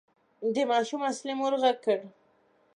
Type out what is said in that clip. د ماشوم اصلي مور غږ کړ.